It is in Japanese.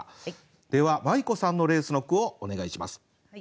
ではまい子さんの「レース」の句をお願いします。